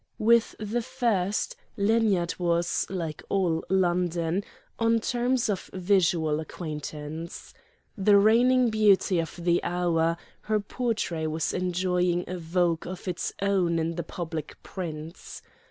With the first, Lanyard was, like all London, on terms of visual acquaintance. The reigning beauty of the hour, her portrait was enjoying a vogue of its own in the public prints.